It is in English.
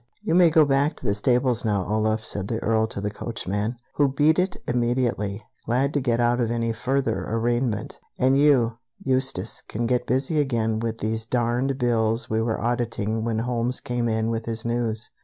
"You may go back to the stables now, Olaf," said the Earl to the coachman; who beat it immediately, glad to get out of any further arraignment. "And you, Eustace, can get busy again with these darned bills we were auditing when Holmes came in with his news."